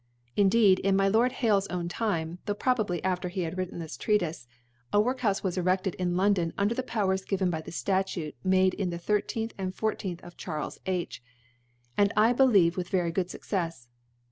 Indeed, in my Lord Holers own Time, though probably after he had written this TrcatHe, a Workhoufe was eredVed in Lon don under the Powers given by the Statute made (6o) made in the 1 3 and 14 of * Cbarks II. and I believe with very good Succefs.